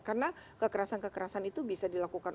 karena kekerasan kekerasan itu bisa dilakukan